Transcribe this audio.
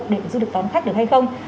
để có thể du lịch tón khách được hay không